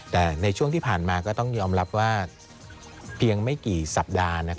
แต่ในช่วงที่ผ่านมาก็ต้องยอมรับว่าเพียงไม่กี่สัปดาห์